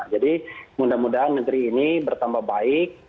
jadi mudah mudahan negeri ini bertambah baik